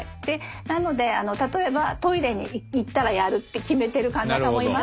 なので例えばトイレに行ったらやるって決めてる患者さんもいますし。